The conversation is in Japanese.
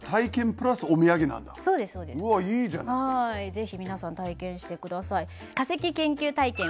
是非皆さん体験してください。